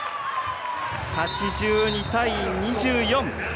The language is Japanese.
８２対２４。